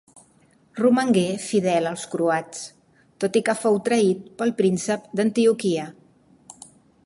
Romangué fidel als croats, tot i que fou traït pel príncep d'Antioquia.